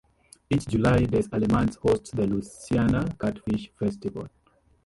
Each July, Des Allemands hosts the Louisiana Catfish Festival.